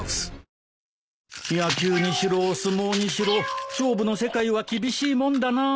野球にしろ相撲にしろ勝負の世界は厳しいもんだなあ。